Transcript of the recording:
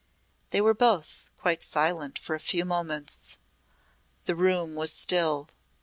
They were both quite silent for a few moments. The room was still.